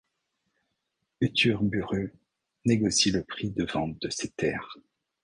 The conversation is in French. Uthurburu négocie le prix de vente de ces terres.